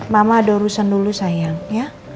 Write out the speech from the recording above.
mama ada urusan dulu sayang ya